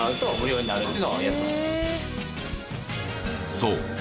そう。